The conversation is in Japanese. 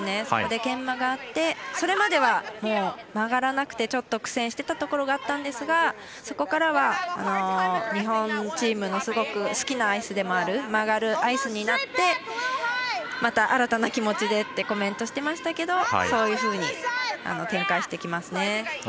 そこで研磨があって、それまでは曲がらなくてちょっと苦戦してたところがあったんですがそこからは日本チームのすごく好きなアイスでもある曲がるアイスになってまた新たな気持ちでってコメントしてましたけどそういうふうに展開してきますね。